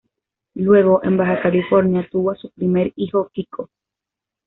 Luego, en Baja California, tuvo a su primer hijo, Kiko.